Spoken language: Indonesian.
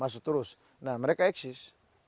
masuk terus nah mereka eksis